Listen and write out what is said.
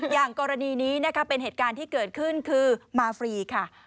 อย่างกรณีนี้นะคะเป็นเหตุการณ์ที่เกิดขึ้นคือมาฟรีค่ะ